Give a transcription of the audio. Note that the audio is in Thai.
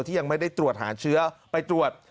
ยังไม่ได้ตรวจหาเชื้อไปตรวจ